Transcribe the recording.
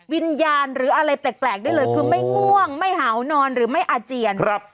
วิญญาณหรืออะไรแปลกได้เลยคือไม่ง่วงไม่เห่านอนหรือไม่อาเจียนครับ